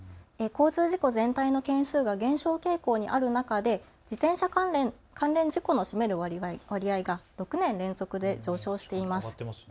交通事故全体の件数が減少傾向にある中で自転車関連事故の占める割合が６年連続で上昇しています。